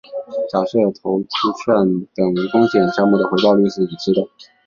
假设投资债券等无风险项目的回报率是已知的。